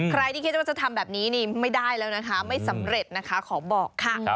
ใครที่คิดว่าจะทำแบบนี้นี่ไม่ได้แล้วนะคะไม่สำเร็จนะคะขอบอกค่ะ